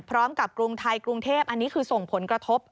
กรุงไทยกรุงเทพอันนี้คือส่งผลกระทบ